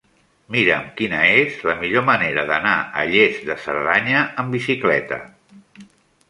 Mira'm quina és la millor manera d'anar a Lles de Cerdanya amb bicicleta.